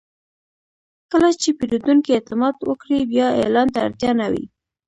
کله چې پیرودونکی اعتماد وکړي، بیا اعلان ته اړتیا نه وي.